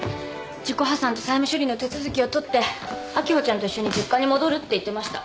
自己破産と債務処理の手続きをとって秋穂ちゃんと一緒に実家に戻るって言ってました。